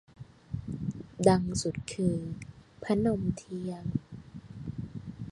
ดังสุดคือ พนมเทียม